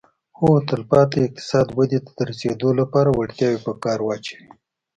خو تلپاتې اقتصادي ودې ته د رسېدو لپاره وړتیاوې په کار واچوي